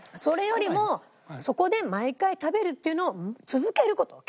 それよりもそこで毎回食べるっていうのを続ける事。